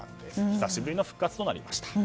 久しぶりの復活となりました。